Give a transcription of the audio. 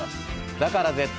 だから絶対！